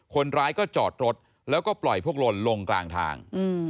คนร้ายก็จอดรถแล้วก็ปล่อยพวกลนลงกลางทาง